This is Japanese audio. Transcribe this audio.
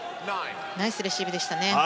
ナイスレシーブでしたね。